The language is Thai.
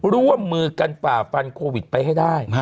ร่วมมือกันฝ่าฟันโควิดไปให้ได้